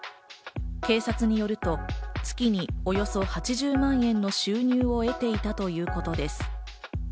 警察によると、月におよそ８０万円の収入を得ていたということです。